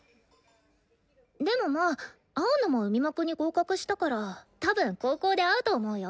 でもまあ青野も海幕に合格したからたぶん高校で会うと思うよ。